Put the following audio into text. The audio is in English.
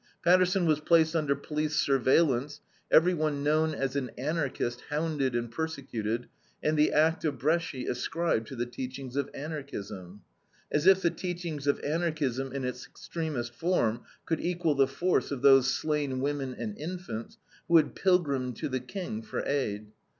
Paterson was placed under police surveillance, everyone known as an Anarchist hounded and persecuted, and the act of Bresci ascribed to the teachings of Anarchism. As if the teachings of Anarchism in its extremest form could equal the force of those slain women and infants, who had pilgrimed to the King for aid.